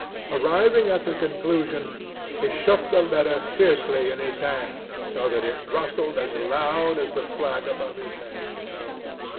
Arriving at the conclusion, he shook the letter fiercely in his hand, so that it rustled as loud as the flag above his head.